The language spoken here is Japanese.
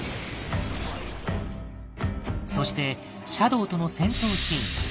そしてシャドウとの戦闘シーン。